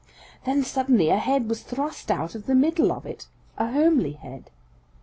Then suddenly a head was thrust out of the middle of it, a homely head.